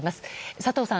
佐藤さん